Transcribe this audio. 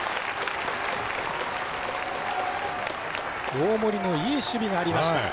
大森のいい守備がありました。